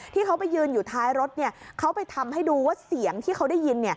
ที่เขาไปยืนอยู่ท้ายรถเขาไปทำให้ดูว่าเสียงที่เขาได้ยิน